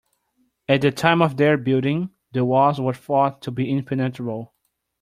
At the time of their building, the walls were thought to be impenetrable.